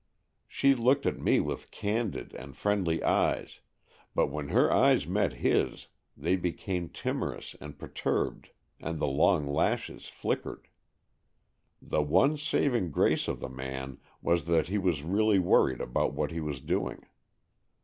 She looked at me with candid and friendly eyes, but when her eyes met his they became timorous and perturbed, and the long lashes flickered. The one saving grace of the man was that he was really worried about what he was doing.